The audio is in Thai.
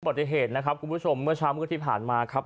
ปฏิเหตุนะครับคุณผู้ชมเมื่อเช้ามืดที่ผ่านมาครับ